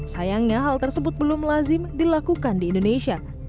sayangnya hal tersebut belum lazim dilakukan di indonesia